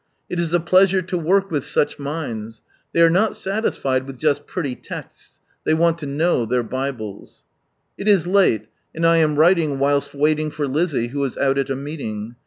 It is a pleasure to work with such minds. They are not satisfied just with " pretty texts," They want to kH07v their Bibles. It is late, and I am writing whilst wailing for Lizzie, who is out at a meeting.